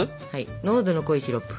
濃度の濃いシロップ。